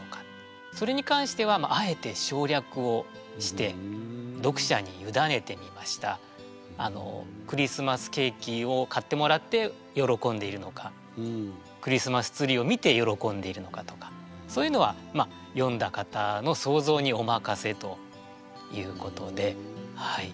でその理由についてですねクリスマスケーキを買ってもらって喜んでいるのかクリスマスツリーを見て喜んでいるのかとかそういうのは読んだ方の想像にお任せということではい。